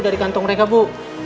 dari kantong mereka bu